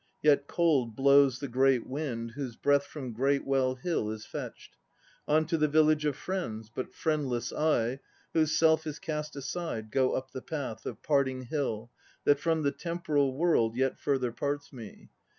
Yet cold Blows the great wind whose breath From Greatwell Hill is fetched. On to the Village of Friends but friendless I, Whose self is cast aside, go up the path Of Parting Hill, that from the temporal world Yet further parts me.